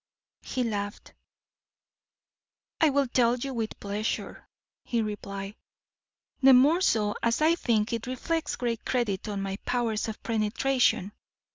He laughed. "I will tell you, with pleasure," he replied; "the more so as I think it reflects great credit on my powers of penetration.